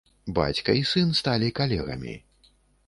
Бацька і сын сталі калегамі.